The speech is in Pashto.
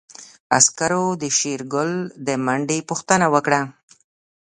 عسکرو د شېرګل د منډې پوښتنه وکړه.